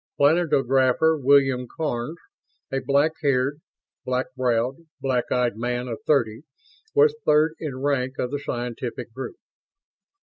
Planetographer William Karns a black haired, black browed, black eyed man of thirty was third in rank of the scientific group.